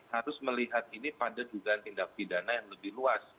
harus melihat ini pada dugaan tindak pidana yang lebih luas